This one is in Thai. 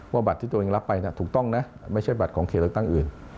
บัตรที่ตัวเองรับไปถูกต้องนะไม่ใช่บัตรของเขตเลือกตั้งอื่น